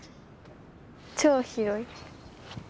超広い。